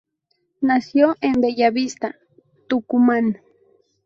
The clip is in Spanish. Nació en Bella Vista, Tucumán.